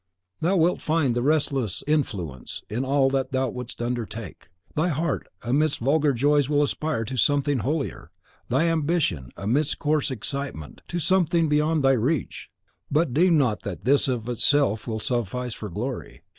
Thou wilt find the restless influence in all that thou wouldst undertake. Thy heart, amidst vulgar joys will aspire to something holier; thy ambition, amidst coarse excitement, to something beyond thy reach. But deem not that this of itself will suffice for glory.